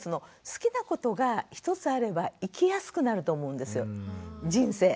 好きなことが１つあれば生きやすくなると思うんですよ人生。